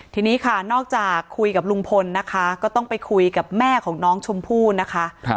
ทีนี้ค่ะนอกจากคุยกับลุงพลนะคะก็ต้องไปคุยกับแม่ของน้องชมพู่นะคะ